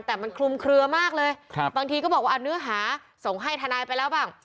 แต่มันคลุมเคลือมากเลยบางทีก็บอกว่าเอาเนื้อหาส่งให้ทนายไปแล้วบ้าง